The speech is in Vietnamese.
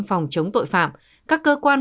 phòng chống tội phạm các cơ quan